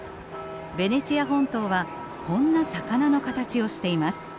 ベネチア本島はこんな魚の形をしています。